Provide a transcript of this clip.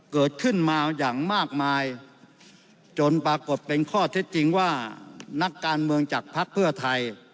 เกิดขึ้นมาอย่างมากมายจนปรากฏเป็นข้อเท็จจริงว่านักการเมืองจากภักดิ์เพื่อไทย